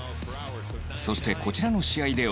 そしてこちらの試合では